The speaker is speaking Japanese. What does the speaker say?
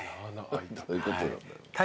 どういうことなんだろう。